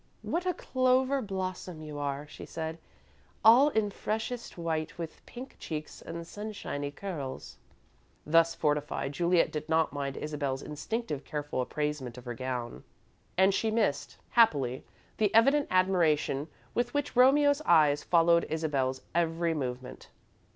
"What a clover blossom you are," she said, "all in freshest white, with pink cheeks and sunshiny curls!" Thus fortified, Juliet did not mind Isabel's instinctive careful appraisement of her gown, and she missed, happily, the evident admiration with which Romeo's eyes followed Isabel's every movement.